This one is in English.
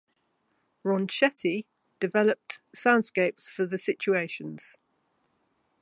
Ronchetti developed soundscapes for the situations.